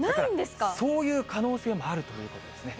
そういう可能性もあるということですね。